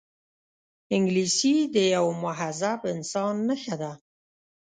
انګلیسي د یوه مهذب انسان نښه ده